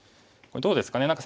どうですかね。